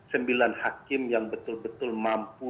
sembilan hakim yang betul betul mampu